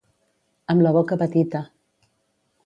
Amb la boca petita.